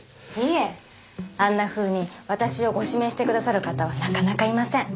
いえあんなふうに私をご指名してくださる方はなかなかいません。